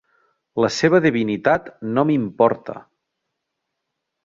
La seva divinitat no m'importa.